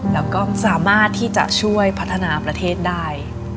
แล้วก็สามารถที่จะช่วยพัฒนาประเทศได้